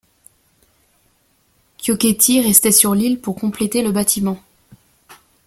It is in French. Chiocchetti restait sur l'île pour compléter le bâtiment.